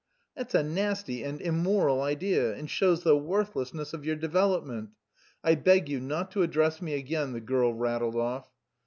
"That's a nasty and immoral idea and shows the worthlessness of your development. I beg you not to address me again," the girl rattled off.